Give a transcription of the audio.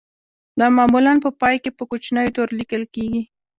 دا معمولاً په پای کې په کوچنیو تورو لیکل کیږي